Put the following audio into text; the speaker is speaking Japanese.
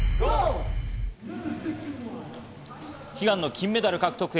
悲願の金メダル獲得へ。